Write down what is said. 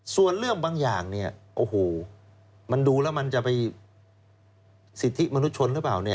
ส่วนเรื่องบางอย่างเนี่ยโอ้โหมันดูแล้วมันจะไปสิทธิมนุษยชนหรือเปล่าเนี่ย